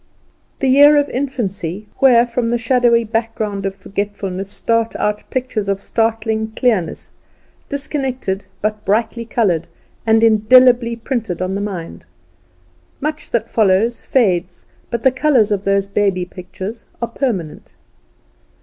The year of infancy, where from the shadowy background of forgetfulness start out pictures of startling clearness, disconnected, but brightly coloured, and indelibly printed in the mind. Much that follows fades, but the colours of those baby pictures are permanent.